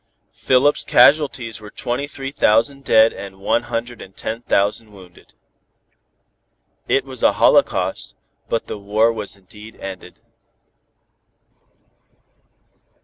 Philip's casualties were twenty three thousand dead and one hundred and ten thousand wounded. It was a holocaust, but the war was indeed ended.